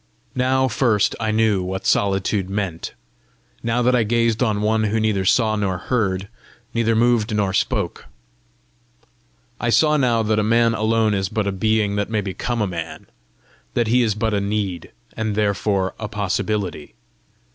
Now first I knew what solitude meant now that I gazed on one who neither saw nor heard, neither moved nor spoke. I saw now that a man alone is but a being that may become a man that he is but a need, and therefore a possibility.